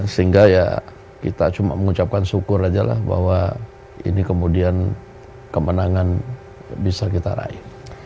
sehingga ya kita cuma mengucapkan syukur aja lah bahwa ini kemudian kemenangan bisa kita raih